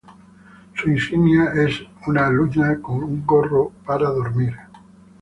Su insignia es una luna con un gorro para dormir.